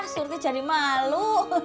sur tuh jadi malu